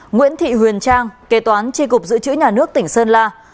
nguyễn thị huyền trang kế toán tri cục dự trữ nhà nước tỉnh sơn la